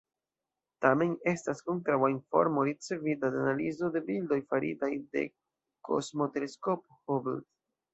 Tamen estas kontraŭa informo, ricevita de analizo de bildoj faritaj de Kosmoteleskopo Hubble.